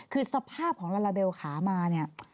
คือสภาพของหลาดาเบลขามา